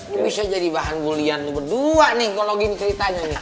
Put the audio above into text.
lo bisa jadi bahan bulian lo berdua nih kalau gini ceritanya nih